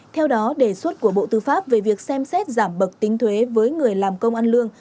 theo đó đề xuất của bộ tư pháp về việc xem xét giảm bậc tính thuế với người làm công ăn lương